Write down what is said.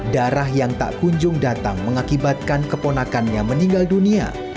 darah yang tak kunjung datang mengakibatkan keponakannya meninggal dunia